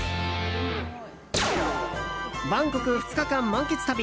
バンコク２日間満喫旅